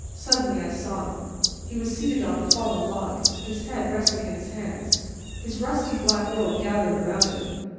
Suddenly I saw him. He was seated on a fallen log, his head resting in his hands, his rusty black robe gathered around him.